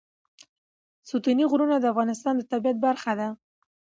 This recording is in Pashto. ستوني غرونه د افغانستان د طبیعت برخه ده.